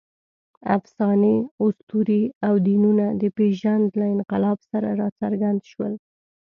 افسانې، اسطورې او دینونه د پېژند له انقلاب سره راڅرګند شول.